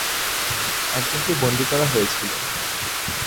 একজনকে বন্দী করা হয়েছিল।